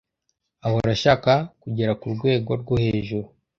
Ahora ashaka kugera ku rwego rwo hejuru